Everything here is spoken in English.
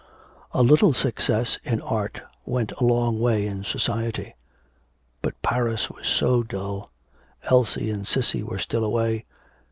A little success in art went a long way in society. But Paris was so dull, Elsie and Cissy were still away.